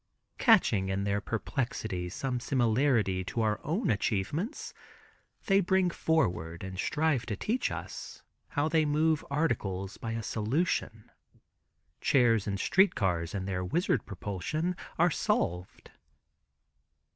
Catching in their perplexity some similarity to their own achievements, they bring forward and strive to teach us how they move articles by a solution. Chairs and street cars in their wizard propulsion are solved.